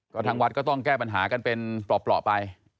แล้วทางวัดก็ต้องแก้ปัญหากันเป็นปลอบไป